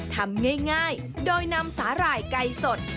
ทำง่ายโดยนำสาหร่ายไก่สด